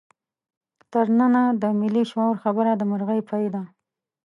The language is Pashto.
تر ننه د ملي شعور خبره د مرغۍ پۍ ده.